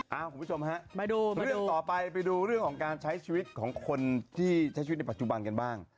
คุณผู้ชมฮะมาดูเรื่องต่อไปไปดูเรื่องของการใช้ชีวิตของคนที่ใช้ชีวิตในปัจจุบันกันบ้าง